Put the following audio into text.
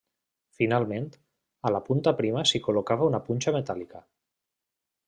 Finalment, a la punta prima s'hi col·locava una punxa metàl·lica.